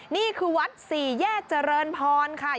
นี่คือวัดสี่แยกเจริญพรค่ะ